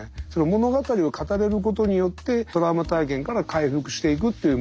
物語を語れることによってトラウマ体験から回復していくっていうモデルで。